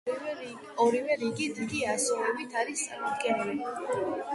ორივე რიგი დიდი ასოებით არის წარმოდგენილი.